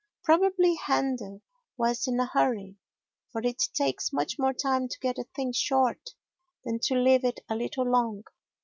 Probably Handel was in a hurry, for it takes much more time to get a thing short than to leave it a little long.